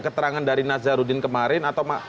keterangan dari nazarudin kemarin atau